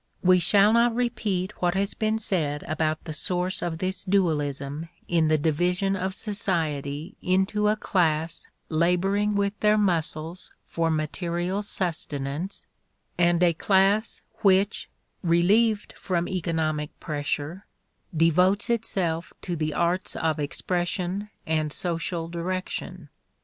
We shall not repeat what has been said about the source of this dualism in the division of society into a class laboring with their muscles for material sustenance and a class which, relieved from economic pressure, devotes itself to the arts of expression and social direction.